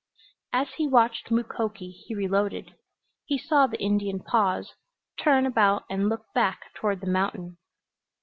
As he watched Mukoki he reloaded. He saw the Indian pause, turn about and look back toward the mountain.